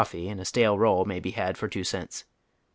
fee " and a stale roll may be bad for two cents.